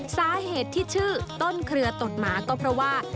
สาเหตุที่ชื่อต้นเครือตดหมาก็เพราะว่า